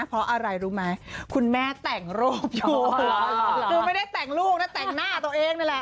เพราะอะไรรู้ไหมคุณแม่แต่งรูปอยู่คือไม่ได้แต่งลูกนะแต่งหน้าตัวเองนั่นแหละ